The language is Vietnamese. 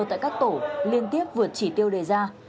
tại các tổ liên tiếp vượt chỉ tiêu đề ra